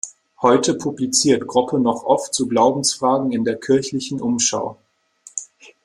Heute publiziert Groppe noch oft zu Glaubensfragen in der "Kirchlichen Umschau".